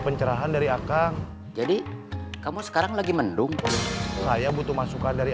pencerahan dari akang jadi kamu sekarang lagi mendung saya butuh masukan dari